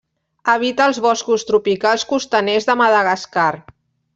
Habita als boscos tropicals costaners de Madagascar.